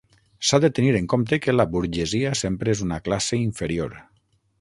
S'ha de tenir en compte que la burgesia sempre és una classe inferior.